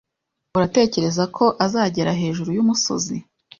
Uratekereza ko azagera hejuru yumusozi